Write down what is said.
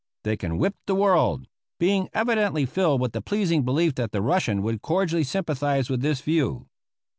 they can whip the world!" being evidently filled with the pleasing belief that the Russian would cordially sympathize with this view.